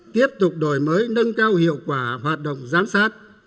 tiếp tục đổi mới nâng cao hiệu quả hoạt động giám sát